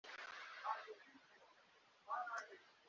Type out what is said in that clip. Hay gente para todos los gustos